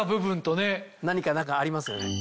何か中ありますよね。